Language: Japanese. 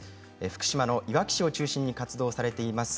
福島のいわき市を中心に活動されています